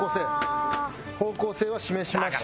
方向性は示しました。